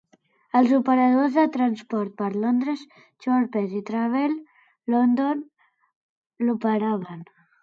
Els operadors de Transport per Londres, Thorpes i Travel London l'operaven.